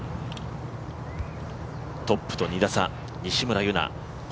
トップと２打差、西村優菜。